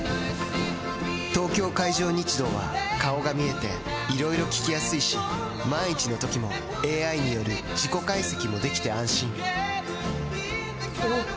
東京海上日動は顔が見えていろいろ聞きやすいし万一のときもＡＩによる事故解析もできて安心おぉ！